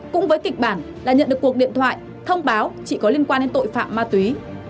cũng với kịch bản là nhận được cuộc điện thoại thông báo chỉ có liên quan đến tội phạm ma túy